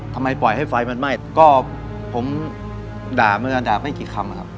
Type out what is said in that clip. ทำไมปล่อยให้ไฟมันไหม้ก็ผมด่าเหมือนกันด่าไม่กี่คำนะครับ